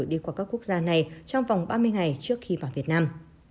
đi qua các quốc gia này trong vòng ba mươi ngày trước khi vào việt nam